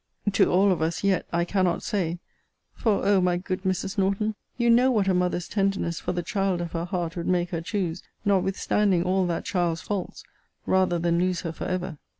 To all of us, yet, I cannot say! For, O my good Mrs. Norton, you know what a mother's tenderness for the child of her heart would make her choose, notwithstanding all that child's faults, rather than lose her for ever!